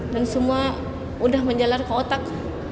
dan semua udah menjelar ke otak